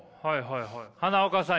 花岡さん